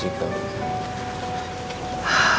tidak kira sekali